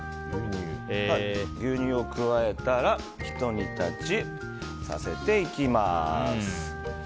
牛乳を加えたらひと煮立ちさせていきます。